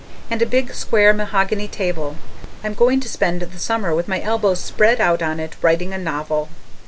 And a big square mahogany table I'm going to spend the summer with my elbows spread out on it, writing a novel.